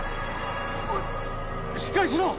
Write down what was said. おいしっかりしろ！